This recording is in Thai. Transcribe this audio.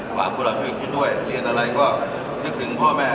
ขวางคนเราช่วยด้วยเรียนอะไรก็คิดถึงพ่อแม่